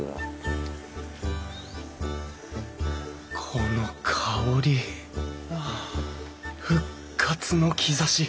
この香り復活の兆し！